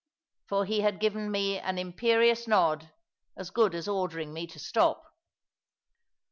For he had given me an imperious nod, as good as ordering me to stop.